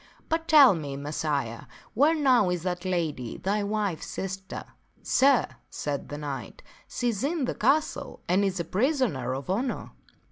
But tell me, Messire, where now is that lady, thy wife's sister? "" Sir," said the knight, " she is in this castle and is a prisoner of honor."